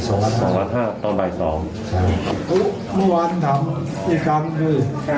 โอ้เมื่อวานถามอีกครั้งคือ๑๐ร้อยแล้วเพื่อน๑๐ร้อย